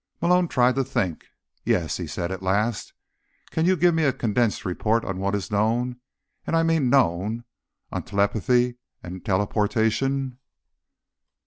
Malone tried to think. "Yes," he said at last. "Can you give me a condensed report on what is known—and I mean known—on telepathy and teleportation?"